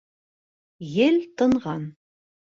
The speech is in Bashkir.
Ел тынған.